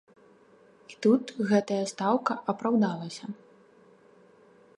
І тут гэтая стаўка апраўдалася.